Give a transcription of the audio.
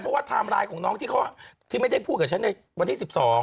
เพราะว่าไทม์ไลน์ของน้องที่เขาที่ไม่ได้พูดกับฉันในวันที่๑๒